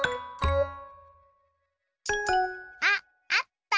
あっあった！